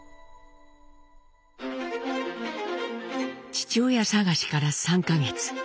父親さがしから３か月。